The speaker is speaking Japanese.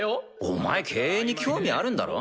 お前経営に興味あるんだろ？